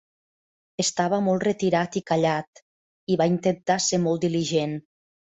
Estava molt retirat i callat, i va intentar ser molt diligent.